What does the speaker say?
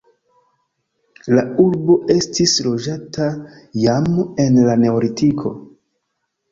La urbo estis loĝata jam en la neolitiko.